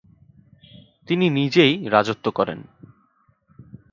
তিনি নিজেই রাজত্ব করেন।